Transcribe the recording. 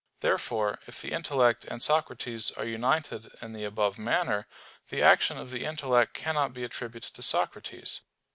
Therefore if the intellect and Socrates are united in the above manner, the action of the intellect cannot be attributed to Socrates.